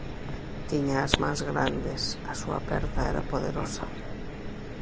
Tiña as mans grandes; a súa aperta era poderosa.